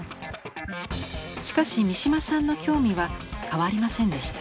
しかし三島さんの興味は変わりませんでした。